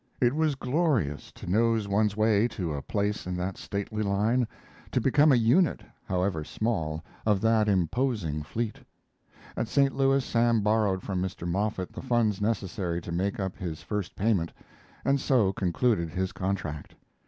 It was glorious to nose one's way to a place in that stately line, to become a unit, however small, of that imposing fleet. At St. Louis Sam borrowed from Mr. Moffett the funds necessary to make up his first payment, and so concluded his contract.